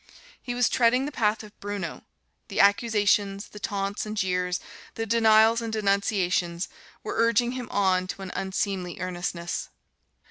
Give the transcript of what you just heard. He was treading the path of Bruno: the accusations, the taunts and jeers, the denials and denunciations, were urging him on to an unseemly earnestness.